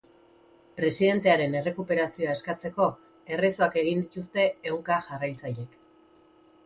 Presidentearen errekuperazioa eskatzeko errezoak egin dituzte ehunka jarraitzailek.